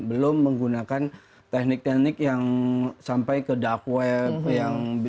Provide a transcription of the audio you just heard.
belum menggunakan teknik teknik yang sampai ke dark web